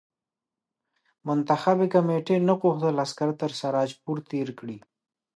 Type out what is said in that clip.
منتخبي کمېټې نه غوښتل عسکر تر سراج پور تېر کړي.